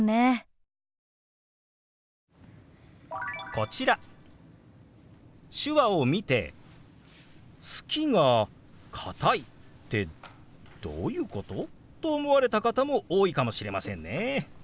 こちら手話を見て「『好きがかたい』ってどういうこと？」と思われた方も多いかもしれませんね。